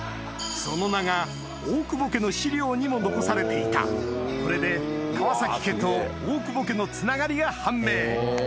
その名が大久保家の資料にも残されていたこれで川崎家と大久保家のつながりが判明